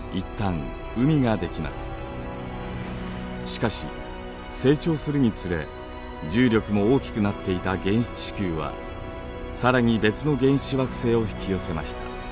しかし成長するにつれ重力も大きくなっていた原始地球は更に別の原始惑星を引き寄せました。